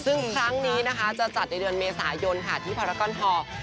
ซึ่งครั้งนี้นะคะจะจัดในเดือนเมษายนค่ะที่พารากอนทอก